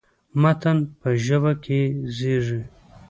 متن په ژبه کې زېږي.